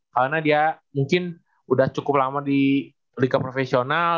karena dia mungkin udah cukup lama di liga profesional